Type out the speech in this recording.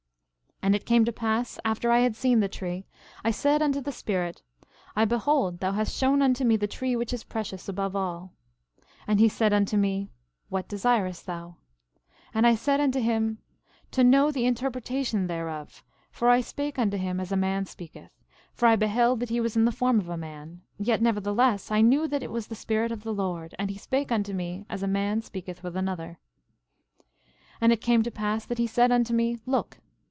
11:9 And it came to pass after I had seen the tree, I said unto the Spirit: I behold thou hast shown unto me the tree which is precious above all. 11:10 And he said unto me: What desirest thou? 11:11 And I said unto him: To know the interpretation thereof—for I spake unto him as a man speaketh; for I beheld that he was in the form of a man; yet nevertheless, I knew that it was the Spirit of the Lord; and he spake unto me as a man speaketh with another. 11:12 And it came to pass that he said unto me: Look!